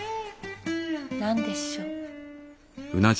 何でしょう。